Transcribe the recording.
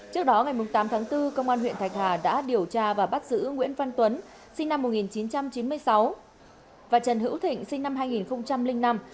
trước đó ngày tám tháng bốn công an huyện thạch hà đã điều tra và bắt giữ nguyễn văn tuấn sinh năm một nghìn chín trăm chín mươi sáu và trần hữu thịnh sinh năm hai nghìn năm